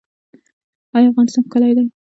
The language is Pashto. آیا افغانستان ښکلی دی؟